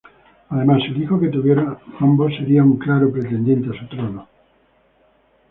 Además, el hijo que tuvieran ambos sería un claro pretendiente a su trono.